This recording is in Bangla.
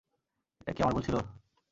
এটা কি আমার ভুল ছিল?